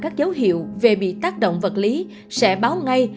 các dấu hiệu về bị tác động vật lý sẽ báo ngay